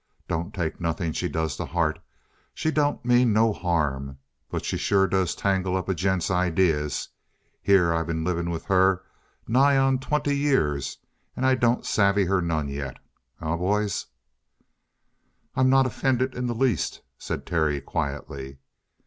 Don't take nothing she does to heart. She don't mean no harm. But she sure does tangle up a gent's ideas. Here I been living with her nigh onto twenty years and I don't savvy her none yet. Eh, boys?" "I'm not offended in the least," said Terry quietly.